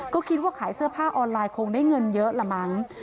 ก็คิดว่าขายเสื้อผ้าออนไลน์คงได้เงินเยอะละมั้ง